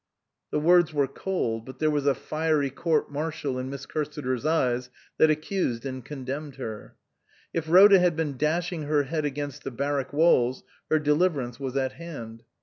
The words were cold, but there was a fiery court martial in Miss Cursiter's eyes that accused and condemned her. If Ehoda had been dashing her head against the barrack walls her deliverance was at hand.